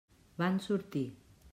Van sortir.